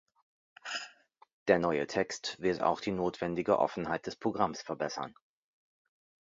Der neue Text wird auch die notwendige Offenheit des Programms verbessern.